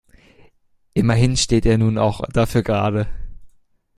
Immerhin steht er nun auch dafür gerade.